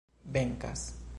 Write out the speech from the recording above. venkas